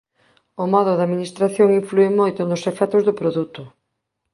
O modo de administración inflúe moito nos efectos do produto.